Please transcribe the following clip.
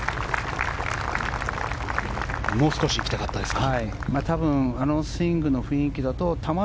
もう少し行きたかったですか。